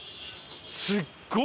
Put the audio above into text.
すっごい